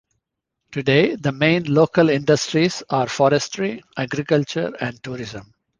Today the main local industries are forestry, agriculture and tourism.